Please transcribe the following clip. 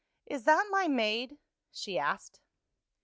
"Is that my maid?" she asked.